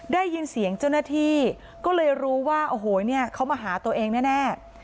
ได้ยินเสียงเจ้าหน้าที่ก็เลยรู้ว่าโอ้โหเนี่ยเขามาหาตัวเองแน่